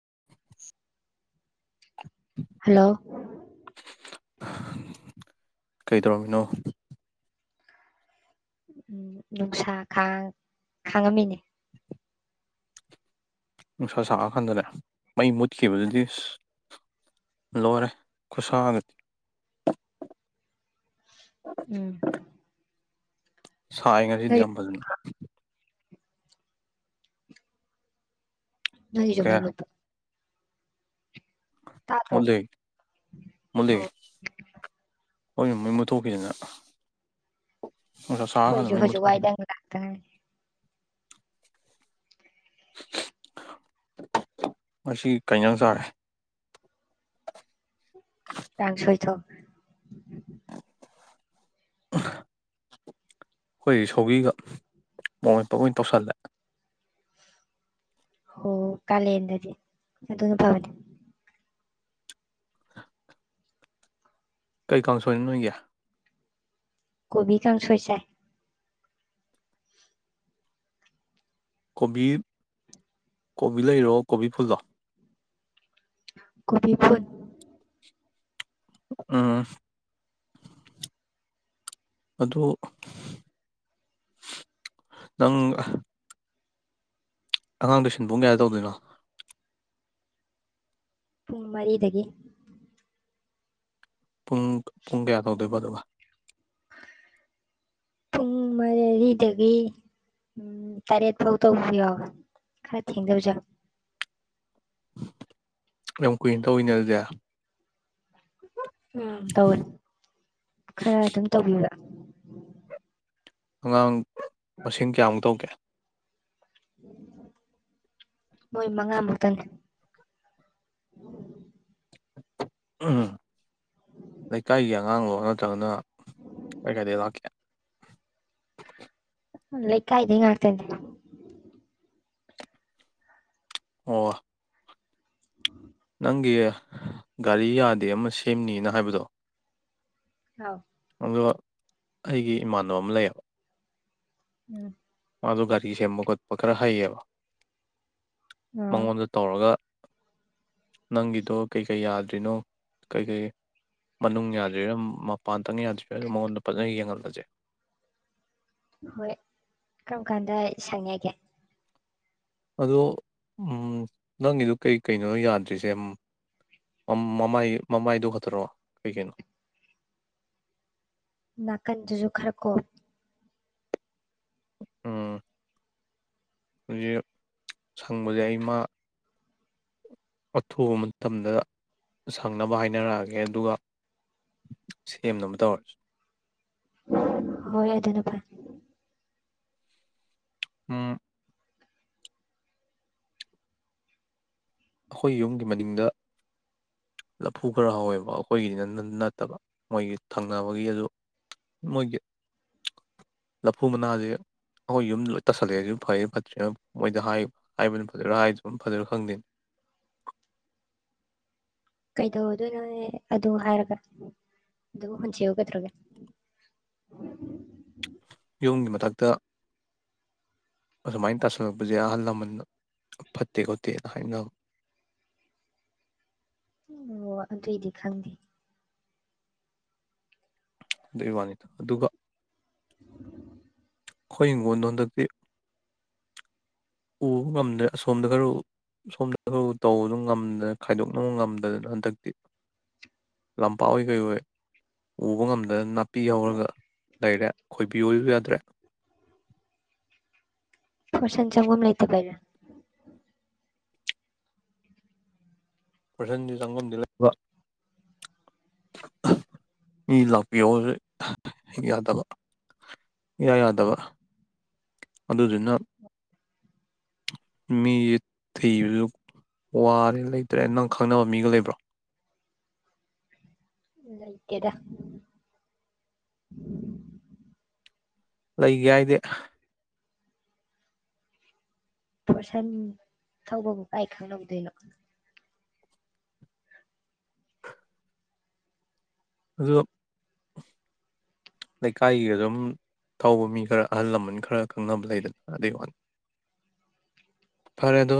[inaudible] hello ꯀꯩ ꯇꯧꯔꯝꯃꯤꯅꯣ ꯎꯝ ꯅꯨꯡꯁꯥ ꯈꯥꯡ ꯈꯥꯡꯉꯝꯃꯤꯅꯦ ꯅꯨꯡꯁꯥ ꯁꯥꯔꯀꯥꯟꯗꯅꯦ ꯃꯩ ꯃꯨꯠꯈꯤꯕꯗꯨꯗꯤ ꯏꯁ ꯂꯣꯏꯔꯦ ꯈꯨꯁꯥꯒ - ꯎꯝ ꯁꯥꯏ ꯉꯁꯤꯗꯤ ꯅꯣꯏ ꯌꯥꯝ ꯐꯖꯅ ꯅꯪꯒꯤꯖꯨ ꯀꯩ ꯃꯩ ꯍꯥꯏ ꯃꯨꯠꯄ ꯇꯥꯗꯔꯣ ꯃꯨꯠꯂꯦ ꯃꯨꯠꯂꯦ ꯑꯣ ꯍꯣꯏ ꯃ ꯃꯩ ꯃꯨꯊꯣꯛꯈꯤꯗꯅ ꯍꯣꯏꯁꯨ ꯍꯣꯢꯁꯨ ꯋꯥꯏꯗ [unintelligible] ꯃꯁꯤ ꯀꯩ ꯍꯦꯟꯖꯥꯡ ꯆꯔꯦ ꯇꯥꯡꯁꯣꯏ ꯊꯣꯡ - ꯑꯩꯈꯣꯏ ꯁꯧꯒꯤꯒ ꯃꯣꯔꯣꯛ ꯃꯦꯠꯄ ꯑꯣꯏ ꯇꯧꯁꯤꯜꯂꯦ ꯍꯣ ꯀꯥꯂꯦꯟꯗꯗꯤ ꯑꯗꯨꯅ ꯐꯕꯅꯦ ꯀꯩ ꯀꯥꯡꯁꯣꯏꯅꯣ ꯅꯣꯏꯒꯤ ꯀꯣꯕꯤ ꯀꯥꯡꯁꯣꯏ ꯆꯥꯏ ꯀꯣꯕꯤ ꯀꯣꯕꯤ ꯂꯩꯔꯣ ꯀꯣꯕꯤ ꯐꯨꯜꯂꯣ ꯀꯣꯕꯤ ꯐꯨꯟ ꯎꯝ ꯑꯗꯨ ꯅꯪ ꯑꯉꯥꯡꯗꯣ ꯁꯤꯟꯕꯨꯡ ꯀꯌꯥꯗ ꯇꯧꯗꯣꯏꯅꯣ ꯄꯨꯡ ꯃꯔꯤꯗꯒꯤ ꯄꯨꯡ ꯄꯨꯡ ꯀꯌꯥ ꯇꯧꯗꯣꯏꯕ ꯑꯗꯨꯒ ꯄꯨꯡ ꯃꯔꯤꯗꯒꯤ ꯎꯝ ꯇꯔꯦꯠ ꯐꯥꯎ ꯇꯧꯕꯁꯨ ꯌꯥꯎꯋꯦ ꯈꯔ ꯊꯦꯡꯗꯕꯁꯨ ꯌꯥꯎꯋꯦ ꯌꯥꯝ ꯀꯨꯏꯟ ꯇꯧꯏꯅꯦ ꯑꯗꯨꯗꯤ ꯎꯝ ꯇꯧꯋꯦ ꯈꯔ ꯑꯗꯨꯝ ꯇꯧꯕꯤꯕ ꯑꯉꯥꯡ ꯃꯁꯤꯡ ꯀꯌꯥꯃꯨꯛ ꯇꯧꯒꯦ ꯃꯣꯏ ꯃꯉꯥꯃꯨꯛꯇꯪꯅꯤ ꯂꯩꯀꯥꯏꯒꯤ ꯑꯉꯥꯡꯂꯣ ꯅꯠꯇ꯭ꯔꯒꯅ ꯀꯥꯏ ꯀꯥꯏꯗꯩꯩ ꯂꯛꯀꯦ ꯂꯩꯀꯥꯏꯗꯩꯩ ꯉꯥꯠꯇꯅꯦ ꯑꯣ ꯅꯪꯒꯤ ꯒꯥꯔꯤ ꯌꯥꯗꯦ ꯑꯃ ꯁꯦꯝꯅꯤꯅ ꯍꯥꯏꯕꯗꯣ ꯑꯧ ꯑꯗꯣ ꯑꯩꯒꯤ ꯏꯃꯥꯟꯅꯕ ꯑꯃ ꯂꯩꯌꯦꯕ ꯎꯝ ꯃꯥꯗꯣ ꯒꯥꯔꯤ ꯁꯦꯝꯕ ꯈꯣꯠꯄ ꯈꯔ ꯍꯩꯌꯦꯕ ꯑꯥ ꯃꯉꯣꯟꯗ ꯇꯧꯔꯒ ꯅꯪꯒꯤꯗꯣ ꯀꯩꯀꯩ ꯌꯥꯗ꯭ꯔꯤꯅꯣ ꯀꯩꯀꯩ ꯃꯅꯨꯡ ꯌꯥꯗ꯭ꯔꯤꯔꯣ ꯃꯄꯥꯟꯗꯪ ꯌꯥꯗ꯭ꯔꯤꯔꯥꯗꯣ ꯃꯉꯣꯟꯗ ꯐꯖꯅ ꯌꯦꯡꯍꯜꯂꯁꯦ ꯍꯣꯏ ꯀꯔꯝ ꯀꯥꯟꯗ ꯁꯪꯉꯒꯦ ꯑꯗꯣ ꯅꯪꯒꯤꯗꯨ ꯀꯩ ꯀꯩꯅꯣꯣ ꯌꯥꯗ꯭ꯔꯤꯁꯦ ꯃꯃꯥꯏ ꯃꯃꯥꯏꯗꯨꯣ ꯈꯠꯇꯔꯛꯣ ꯀꯩ ꯀꯩꯅꯣ ꯅꯥꯀꯟꯗꯨꯁꯨ ꯈꯔ ꯀꯣ ꯎꯝ ꯍꯧꯖꯤꯛ ꯁꯪꯕꯁꯦ ꯑꯩ ꯃꯥ ꯑꯊꯨꯕ ꯃꯇꯝꯗ ꯁꯪꯅꯕ ꯍꯥꯏꯅꯔꯛꯑꯒꯦ ꯑꯗꯨꯒ ꯁꯦꯝꯅꯕ ꯇꯧꯔꯁꯤ ꯍꯣꯏ ꯑꯗꯨ ꯅꯄꯥꯏ ꯑ ꯑꯩꯈꯣꯏ ꯌꯨꯝꯒꯤ ꯃꯅꯤꯡꯗ ꯂꯐꯨ ꯈꯔ ꯍꯧꯋꯦꯕ ꯑꯩꯈꯣꯏꯒꯤꯅꯤꯅ ꯅꯠꯇꯕ ꯃꯣꯏꯒꯤ ꯊꯪꯅꯕꯒꯤ ꯑꯗꯨ ꯃꯣꯏꯒꯤ ꯂꯐꯨ ꯃꯅꯥꯁꯦ ꯑꯩꯈꯣꯏ ꯌꯨꯝ ꯂꯣꯏ ꯇꯥꯁꯜꯂꯛꯑꯦꯁꯨ ꯐꯩ ꯐꯠꯇ꯭ꯔꯦ ꯃꯣꯏꯗ ꯍꯥꯏꯕꯅꯤ ꯐꯖꯔꯥ ꯍꯥꯏꯁꯨ ꯑꯗꯨꯝ ꯐꯖꯔꯥ ꯈꯪꯗꯦꯅꯤ ꯀꯩꯗꯧꯗꯣꯏꯅꯣꯅꯦ ꯑꯗꯨ ꯍꯥꯏꯔꯒ ꯑꯗꯨ ꯍꯨꯟꯁꯤꯎꯒꯗ꯭ꯔꯒꯦ ꯇꯨꯡꯒꯤ ꯃꯊꯛꯇ ꯑꯗꯨꯃꯥꯏꯅ ꯇꯥꯁꯜꯂꯛꯄꯁꯦ ꯑꯍꯜ ꯂꯃꯟ ꯐꯠꯇꯦ ꯈꯣꯠꯇꯦꯅ ꯍꯥꯏꯅ ꯑꯣ ꯑꯗꯨꯨꯏꯗꯤ ꯈꯥꯡꯗ ꯑꯗꯨꯏ ꯋꯥꯅꯤꯗ ꯑꯗꯨꯒ ꯎꯝ ꯑꯩꯈꫭꯏ ꯍꯤꯡꯗꯣ ꯑꯃꯇ ꯄꯤ ꯎꯕ ꯉꯝꯗ꯭ꯔꯦ ꯑꯁꯣꯝꯗ ꯈꯔ ꯁꯣꯝꯗ ꯈꯔ ꯇꯧꯕꯗꯨ ꯉꯝꯗꯅ ꯈꯥꯏꯗꯣꯛꯅꯕ ꯉꯝꯗꯗꯅ ꯍꯟꯗꯛꯇꯤ ꯂꯝꯄꯥꯛ ꯑꯣꯏ ꯀꯩ ꯑꯣꯏꯣꯏ ꯎꯕ ꯉꯝꯗꯗꯅ ꯅꯥꯄꯤ ꯍꯧꯔꯒ ꯂꯩꯔꯦ ꯈꯣꯏꯕꯤ ꯑꯣꯏꯁꯨ ꯌꯥꯗ꯭ꯔꯦ ꯐꯁꯟ ꯆꯒꯝ ꯂꯩ ꯂꯩꯇ ꯄꯔꯦ ꯄꯔꯦꯁꯟꯗꯤ ꯆꯪꯒꯝꯗꯤ ꯂꯩꯕ ꯃꯤ ꯂꯥꯛꯄꯤꯌꯣꯁꯨ ꯌꯥꯗꯕ ꯍꯌꯥ ꯌꯥꯗꯕ ꯑꯗꯨꯗꯨꯅ ꯃꯤꯁꯦ ꯊꯤꯕꯁꯨ ꯋꯥꯔꯦ ꯂꯩꯇ꯭ꯔꯦ ꯅꯪ ꯈꯪꯅꯕ ꯃꯤꯒ ꯂꯩꯕ꯭ꯔꯣ ꯂ ꯀꯦꯗ ꯂꯩꯒꯦ ꯍꯥꯏꯗꯤ ꯄꯣꯔꯁꯟ ꯊꯧꯕꯕꯨ ꯀꯥꯏ ꯈꯪꯍꯧꯗꯣꯏꯅꯣ ꯑꯗ ꯂꯩꯀꯥꯏꯒꯤꯒ ꯑꯗꯨꯝ ꯊꯧꯕ ꯃꯤ ꯈꯔ ꯑꯍꯜ ꯂꯃꯟ ꯈꯔ ꯈꯪꯅꯕ ꯂꯩꯗꯅ ꯑꯗꯨꯏ ꯋꯥꯅꯤ ꯐꯔꯦ ꯑꯗꯣ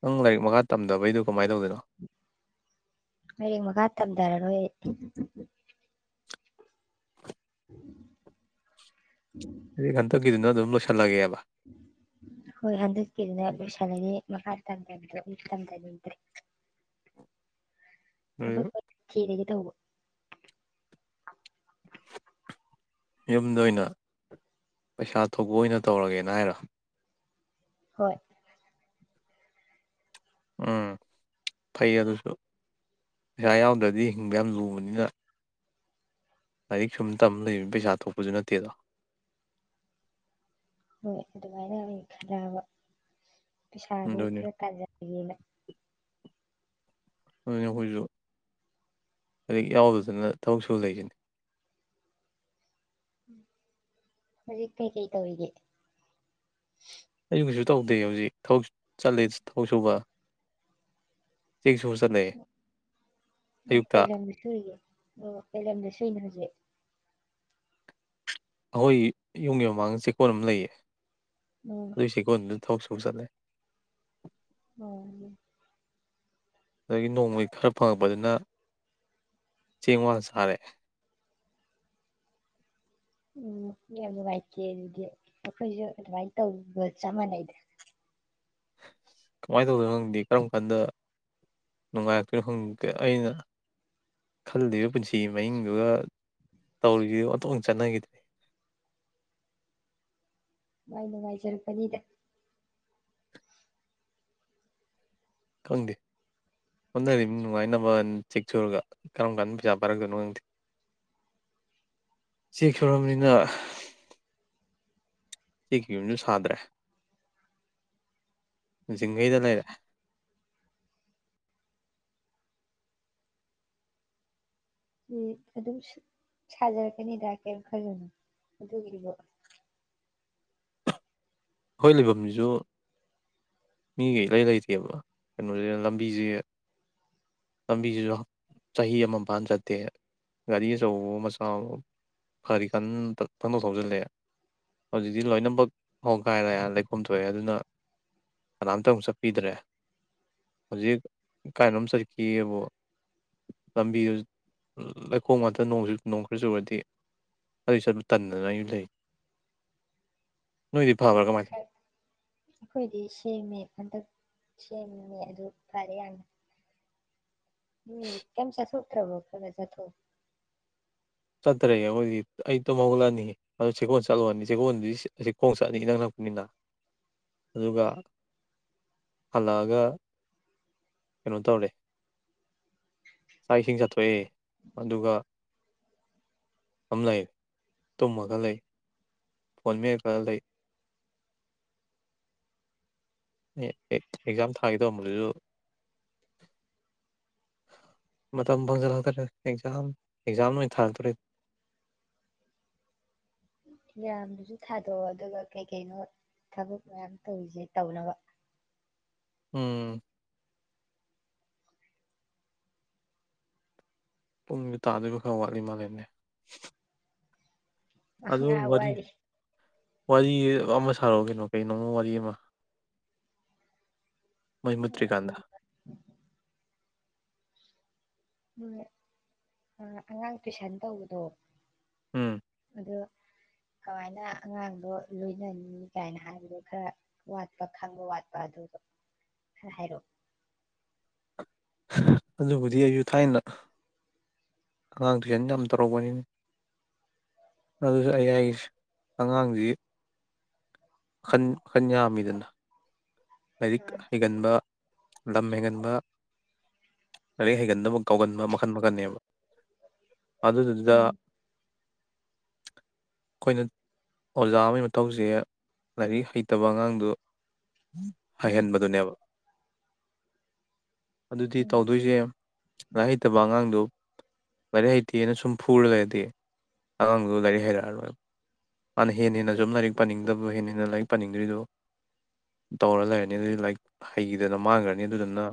ꯅꯪ ꯂꯥꯏꯔꯤꯛ ꯃꯈꯥ ꯇꯝꯗꯕꯩꯗꯨ ꯀꯃꯥꯏꯅ ꯇꯧꯗꯣꯏꯅꯣ ꯑꯦꯔꯤꯃ ꯀꯥꯇꯔꯝ ꯇꯔꯅꯣ [inaudible] ꯑꯗꯨꯗꯤ ꯍꯟꯇꯛꯒꯤꯗꯨꯅ ꯑꯗꯨꯝ ꯂꯣꯏꯁꯤꯜꯂꯒꯦꯕ ꯍꯣꯏ ꯍꯟꯗꯛꯀꯤꯗꯨꯅ ꯂꯣꯏꯁꯥꯟꯂꯔꯤ ꯃꯈꯥ ꯇꯝꯗꯕꯗꯣ ꯑꯩ ꯇꯝꯗꯅꯤꯡꯗ꯭ꯔꯦ ꯊꯕꯛ ꯑꯣꯏꯅꯥ ꯊꯤꯔꯒꯦ ꯇꯧꯕ ꯌꯨꯝꯗ ꯑꯣꯏꯅ ꯄꯩꯁꯥ ꯊꯣꯛꯕ ꯑꯣꯏꯅ ꯇꯧꯔꯒꯦꯅ ꯍꯥꯏꯔꯣ ꯍꯣꯏ ꯎꯝ ꯐꯩ ꯑꯗꯨꯁꯨ ꯄꯩꯁꯥ ꯌꯥꯎꯗ꯭ꯔꯗꯤ ꯍꯤꯡꯕ ꯌꯥꯝ ꯂꯨꯕꯅꯤꯅ ꯂꯥꯏꯔꯤꯛ ꯁꯨꯝ ꯇꯝ ꯂꯩꯅꯤ ꯄꯩꯁꯥ ꯊꯣꯛꯄꯁꯨ ꯅꯠꯇꯦꯗ ꯍꯣꯏ ꯑꯗꯨꯃꯥꯏꯅꯥ ꯑꯣꯢꯅ ꯈꯜꯂꯑꯥꯕ ꯄꯩꯁꯥꯗꯨ ꯑꯗꯨꯅꯤ ꯈꯔꯥ ꯇꯥꯟꯖꯟꯒꯦꯅ ꯑꯗꯨꯅ ꯑꯈꯣꯏꯖꯨ ꯂꯩꯔꯤꯛ ꯌꯥꯎꯗꯗꯅ ꯊꯕꯛ ꯁꯨ ꯂꯩꯖꯤꯅꯤ ꯍꯧꯖꯤꯛ ꯀꯩꯀꯩ ꯇꯧꯔꯤꯒꯦ ꯑꯩꯁꯨ ꯀꯩꯁꯨ ꯇꯧꯗꯦ ꯍꯧꯖꯤꯛ ꯊꯕꯛ ꯆꯠꯂꯦ ꯊꯕꯛ ꯁꯨꯕ ꯆꯦꯛ ꯁꯨꯕ ꯆꯠꯂꯦ ꯎ ꯑꯌꯨꯛꯇ ꯀꯩ ꯂꯝꯗ ꯁꯨꯨꯏꯒꯦ ꯑꯣ ꯀꯩ ꯂꯝꯗ ꯁꯨꯏꯅꯣ ꯍꯨꯖꯤꯛ ꯑꯈꯣꯏ ꯌꯨꯝꯒꯤ ꯃꯃꯥꯡꯗ ꯆꯦꯛꯀꯣꯟ ꯑꯃ ꯂꯩꯌꯦ ꯑꯣ ꯑꯗꯨꯏ ꯆꯦꯀꯣꯟꯗ ꯊꯕꯛ ꯁꯨꯕ ꯆꯠꯂꯦ ꯑꯣ ꯑꯗꯒꯤ ꯅꯣꯡꯃꯒꯤ ꯈꯔ ꯐꯪꯉꯛꯄꯗꯨꯅ ꯆꯦꯡ ꯋꯥꯜꯂ ꯆꯥꯔꯦ ꯎꯝ ꯌꯥꯝ ꯅꯨꯡꯉꯥꯏꯇꯦ ꯑꯗꯨꯗꯤ ꯑꯈꯣꯏꯖꯨ ꯑꯗꯨꯃꯥꯏꯅ ꯇꯧꯕꯒ ꯆꯞ ꯃꯥꯟꯅꯩꯗ ꯀꯃꯥꯏꯅ ꯇꯧꯗꯣꯏꯅꯣ ꯈꯪꯗꯦ ꯀꯔꯝ ꯀꯥꯟꯗ ꯅꯨꯡꯉꯥꯏꯔꯛꯇꯣꯏꯅꯣ ꯈꯪꯗꯦ ꯑꯩꯅ ꯈꯜꯂꯤꯕ ꯄꯨꯟꯁꯤꯒꯤ ꯃꯤꯡꯗꯨꯒ ꯇꯧꯔꯤꯖꯤꯒ ꯑꯣꯟꯊꯣꯛꯅꯥ ꯆꯥꯅꯒꯤꯗꯔ꯭ꯦ ꯃꯥꯏ ꯅꯨꯡꯉꯥꯏꯖꯔꯛꯀꯅꯤꯗ ꯈꯪꯗꯦ ꯍꯣꯠꯅꯔꯤꯅꯤ ꯅꯨꯡꯉꯥꯏꯅꯕ ꯆꯦꯛ ꯆꯨꯔꯒ ꯀꯔꯝ ꯀꯥꯟꯗ ꯄꯩꯁꯥ ꯄꯥꯏꯔꯛꯀꯣꯏꯅꯣ ꯈꯪꯗꯦ ꯆꯦꯛ ꯁꯨꯔꯝꯅꯤꯅ ꯆꯦꯛꯀꯤ ꯌꯨꯝꯖꯨ ꯁꯥꯗ꯭ꯔꯦꯖꯤꯡꯒꯩꯗ ꯂꯩꯔꯦ ꯑꯗꯨꯝ ꯁꯖꯔꯛꯀꯅꯤꯗ ꯀꯩꯝ ꯈꯜꯂꯨꯅꯨ ꯑꯗꯨꯒꯤ ꯕꯣ ꯈꯣꯏ ꯂꯩꯕꯝꯖꯤꯖꯨ ꯃꯤꯒ ꯏꯂꯩ ꯂꯩꯇꯦꯕ ꯀꯩꯅꯣꯖꯦ ꯂꯝꯕꯤꯖꯦ ꯂꯝꯕꯤꯖꯤꯖꯨ ꯆꯍꯤ ꯑꯃ ꯐꯥꯅ ꯆꯠꯇꯦ ꯒꯥꯔꯤ ꯑꯆꯧꯕꯍꯣ ꯃꯆꯥ ꯍꯣ ꯐꯔꯤ ꯀꯟ ꯄꯪꯊꯧ ꯊꯧꯖꯤꯜꯂꯛꯑꯦ ꯍꯧꯖꯤꯛꯇꯤ ꯂꯣꯏꯅꯕꯛ ꯀꯥꯏ ꯂ ꯂꯩꯈꯣꯝ ꯊꯣꯛꯑꯦ ꯑꯗꯨꯅ ꯀꯅꯥꯝꯇꯕꯨ ꯆꯠꯄꯤꯗ꯭ꯔꯦ ꯍꯧꯖꯤꯛ ꯀꯥꯏꯅꯣꯃ ꯆꯠꯀꯦꯕꯨ ꯂꯝꯕꯤꯗꯨ ꯂꯩꯈꯣꯝ ꯉꯥꯇ ꯅꯣꯡ ꯅꯣꯡ ꯈꯔ ꯆꯨꯔꯗꯤ ꯑꯗꯨꯏ ꯆꯠꯄ ꯇꯟꯗꯅ ꯑꯩꯖꯨ ꯂꯩ ꯅꯣꯏꯗꯤ ꯐꯕ꯭ꯔꯥ ꯀꯃꯥꯏꯅ ꯇꯧꯋꯤ ꯑꯩꯈꯣꯏꯗꯤ ꯁꯦꯡꯃꯦ ꯍꯟꯗꯛ ꯁꯦꯝꯃꯦ ꯑꯗꯨ ꯐꯔꯦ ꯌꯥꯝꯅꯥ ꯃꯦ ꯀꯦꯏꯝ ꯆꯊꯣꯛ ꯇꯔ꯭ꯕꯣ ꯈꯥꯒ ꯆꯠꯊꯣꯛ ꯆꯠꯇꯔꯦ ꯑꯈꯣꯏꯗꯤ ꯑꯩ ꯇꯨꯝ ꯍꯧꯒꯠꯂꯛꯑꯅꯤ ꯑꯗꯨ ꯆꯦꯛꯀꯣꯟ ꯆꯠꯂꯨꯔꯅꯤ ꯆꯦꯛꯀꯣꯟꯗꯤ ꯑꯁꯤ ꯈꯣꯡ ꯆꯠꯅꯤ ꯏꯅꯛ ꯅꯛꯄꯅꯤꯅ ꯑꯗꯨꯒ ꯍꯜꯂꯛꯑꯒ ꯀꯩꯅꯣ ꯇꯧꯔꯦ ꯆꯥꯛ ꯏꯁꯤꯡ ꯆꯠꯊꯣꯛꯑꯦ ꯑꯗꯨꯒ ꯑꯃ ꯂꯩꯔꯦ ꯇꯨꯝꯃꯥ ꯈ ꯂꯩ ꯐꯣꯟ ꯃꯦꯠꯂꯥ ꯈ ꯂꯩ ꯑꯦꯛꯖꯥꯝ ꯊꯥꯒꯦ ꯇꯧꯔꯝꯕꯗꯨꯁꯨ ꯃꯇꯝ ꯐꯪꯖꯜꯂꯛꯇ꯭ꯔꯦ ꯑꯦꯛꯖꯥꯝ ꯑꯦꯛꯖꯥꯝ ꯂꯣꯏ ꯊꯥꯔꯛꯇꯣꯣꯔ ꯑꯦꯛꯖꯥꯝ ꯗꯨꯖꯨꯊꯥꯗꯣꯛꯑꯣ ꯑꯗꯨꯒ ꯀꯩ ꯀꯩꯅꯣ ꯊꯕꯛ ꯃꯌꯥꯝ ꯇꯧꯔꯤꯁꯦ ꯇꯧꯅꯕ ꯎꯝ ꯄꯨꯡꯗꯨ ꯇꯥꯗꯣꯏꯃ ꯈꯔ ꯋꯥꯠꯂꯤ ꯃꯥꯂꯦꯝꯅꯦ ꯑ ꯉꯍꯥꯛ ꯋꯥꯔꯤ ꯋꯥꯔꯤ ꯑꯃ ꯁꯥꯔꯛꯑꯣ ꯀꯅꯣ ꯀꯩꯅꯣꯃ ꯋꯥꯔꯤ ꯑꯃ ꯃꯩꯃꯨꯇ꯭ꯔꯤꯀꯟꯗ ꯎꯝ ꯎꯝ ꯑꯉꯥꯡ ꯇꯨꯏꯁꯟ ꯇꯧꯕꯗꯣ ꯎꯝ ꯑꯗꯨ ꯀꯃꯥꯏꯅ ꯑꯉꯥꯡꯗꯣ ꯂꯣꯏꯅꯅꯤ ꯀꯥꯏꯅ ꯍꯥꯏꯕꯗꯣ ꯈꯔ ꯋꯥꯠꯄ ꯈꯪꯕ ꯋꯥꯠꯄ ꯑꯗꯨꯗꯣ ꯈꯔ ꯍꯥꯏꯔꯛꯑꯣ ꯑꯗꯨꯕꯨꯗꯤ ꯑꯩꯁꯨ ꯊꯥꯏꯅ ꯑꯉꯥꯡ ꯇꯨꯏꯁꯟ ꯌꯥꯝ ꯇꯧꯔꯛꯄꯅꯤ ꯑꯗꯨꯁꯨ ꯑꯩ ꯍꯥꯏ ꯑꯉꯥꯡꯁꯤ ꯟ ꯈꯟꯌꯥꯃꯤꯗꯅ ꯂꯥꯏꯔꯤꯛ ꯍꯩꯒꯟꯕ ꯂꯝ ꯍꯦꯟꯒꯟꯕ ꯂꯥꯏꯔꯤꯛ ꯍꯩꯒꯟꯅꯕ ꯀꯥꯎꯒꯟꯕ ꯃꯈꯜ ꯃꯈꯟꯕ ꯑꯗꯨꯗꯨꯗ ꯎꯝ ꯎꯝ ꯑꯩꯈꯣꯏꯅ ꯑꯣꯖꯥ ꯑꯃꯒꯤ ꯃꯊꯧꯁꯦ ꯂꯥꯏꯔꯤꯛ ꯍꯩꯇꯕ ꯑꯉꯥꯡꯗꯨ ꯍꯩꯍꯟꯕꯗꯨꯅꯦꯕ ꯑꯗꯨꯗꯤ ꯎꯝ ꯇꯧꯗꯣꯏꯁꯦ ꯂꯥꯏ ꯍꯩꯇꯕ ꯑꯉꯥꯡꯗꯣ ꯂꯥꯏꯔꯤꯛ ꯍꯩꯇꯦꯩꯅ ꯁꯨꯝ ꯐꯨꯔꯒꯗꯤ ꯑꯉꯥꯡꯗꯨ ꯂꯥꯏꯔꯤꯛ ꯍꯩꯔꯛꯑꯔꯣꯏꯕ ꯃꯥꯅ ꯍꯦꯟꯅ ꯍꯦꯟꯅ ꯁꯨꯝ ꯂꯥꯏꯔꯤꯛ ꯄꯥꯅꯤꯡꯗꯕ ꯍꯦꯟꯅ ꯍꯦꯟꯅ ꯂꯥꯏꯔꯤꯛ ꯄꯥꯅꯤꯡꯗ꯭ꯔꯤꯗꯣ ꯇꯧꯔ ꯂꯩꯔꯅꯤ ꯑꯗꯨꯗꯤ ꯂꯥꯏꯔꯤꯛ ꯍꯩꯈꯤꯗꯅ ꯃꯥꯡꯈ꯭ꯔꯅꯤ ꯑꯗꯨꯗꯨꯅ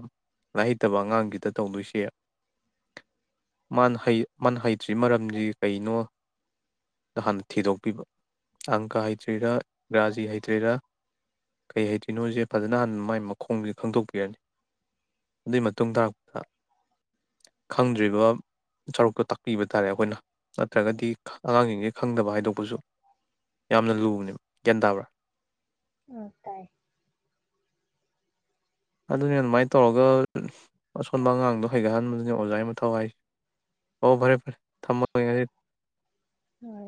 ꯂꯥꯏꯔꯤꯛ ꯍꯩꯇꯕ ꯑꯉꯥꯡꯒꯤꯗ ꯇꯧꯗꯣꯏꯁꯦ ꯃꯥꯅ ꯃꯥꯅ ꯍꯩꯇ꯭ꯔꯤ ꯃꯔꯝꯗꯤ ꯀꯩꯅꯣ ꯍꯥꯟꯅ ꯊꯤꯗꯣꯛꯄꯤꯕ ꯑꯪꯀ ꯍꯩꯇ꯭ꯔꯤꯔꯥ ꯔ꯭ꯔꯥꯖꯤ ꯍꯩꯇ꯭ꯔꯤꯔꯥ ꯀꯩ ꯍꯩꯇ꯭ꯔꯤꯅꯣꯁꯦ ꯐꯖꯅ ꯍꯥꯟꯅ ꯃꯥꯏ ꯃꯈꯣꯡꯁꯦ ꯈꯪꯗꯣꯛꯄꯤꯔꯅꯤ ꯑꯗꯨꯒꯤ ꯃꯇꯨꯡ ꯇꯥꯔꯛꯄꯗ ꯈꯪꯗ꯭ꯔꯤꯕ ꯁꯔꯨꯛꯇꯣ ꯇꯥꯛꯄꯤꯕ ꯇꯥꯔꯦ ꯑꯩꯈꯣꯏꯅ ꯅꯠꯇ꯭ꯔꯒꯗꯤ ꯑꯉꯥꯡꯁꯤꯡꯁꯤ ꯈꯪꯗꯕ ꯍꯥꯏꯗꯣꯛꯄꯁꯨ ꯌꯥꯝꯅ ꯂꯨꯕꯅꯦꯕ ꯒ꯭ꯌꯥꯟ ꯇꯥꯕ꯭ꯔꯥ ꯎꯝ ꯇꯥꯏ ꯑꯗꯨꯅꯤ ꯑꯗꯨꯃꯥꯏꯅ ꯇꯧꯔꯒ ꯑꯁꯣꯟꯕ ꯑꯉꯥꯡꯗꯣ ꯍꯩꯒꯠꯍꯟꯕꯗꯨꯅꯤ ꯑꯣꯖꯥꯒꯤ ꯃ ꯊꯋꯥꯏꯁꯦ ꯑꯣ ꯐꯔꯦ ꯐꯔꯦ ꯊꯝꯃꯒꯦ ꯉꯁꯤ ꯍꯣꯏ